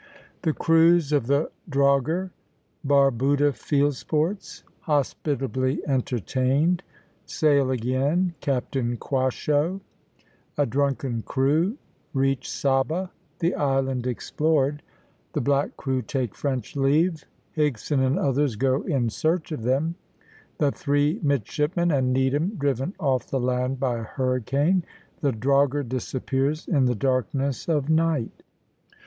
THE CRUISE OF THE DROGHER BARBUDA FIELD SPORTS HOSPITABLY ENTERTAINED SAIL AGAIN CAPTAIN QUASHO A DRUNKEN CREW REACH SABA THE ISLAND EXPLORED THE BLACK CREW TAKE FRENCH LEAVE HIGSON AND OTHERS GO IN SEARCH OF THEM THE THREE MIDSHIPMEN AND NEEDHAM DRIVEN OFF THE LAND BY A HURRICANE THE DROGHER DISAPPEARS IN THE DARKNESS OF NIGHT.